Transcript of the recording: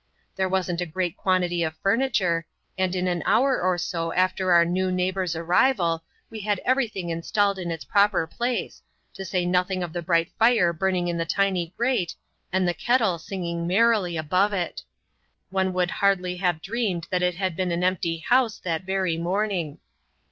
There wasn't a great quantity of furniture, and in an hour or so after our new neighbors' arrival we had everything installed in its proper place, to say nothing of the bright fire burning in the tiny grate and the kettle singing merrily above it. One would hardly have dreamed that it had been an empty house that very morning.